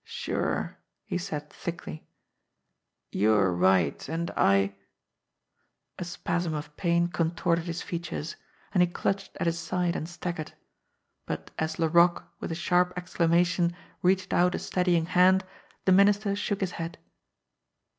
"Sure," he said thickly; "you're right, and I " A spasm of pain contorted his features, and he clutched at his side and staggered ; but as Laroque, with a sharp exclamation, reached out a steadying hand, the Minister shook his head.